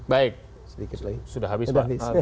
baik sudah habis pak